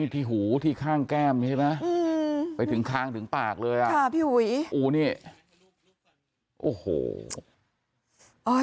ที่หูข้างแก้มไปถึงปากเลย